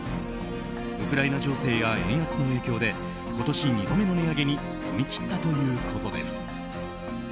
ウクライナ情勢や円安の影響で今年２度目の値上げに踏み切ったということです。